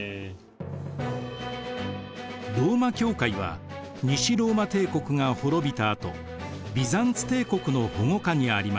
ローマ教会は西ローマ帝国が滅びたあとビザンツ帝国の保護下にありました。